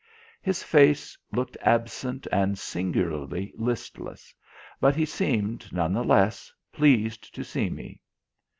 His face looked absent and singularly listless; but he seemed, none the less, pleased to see me.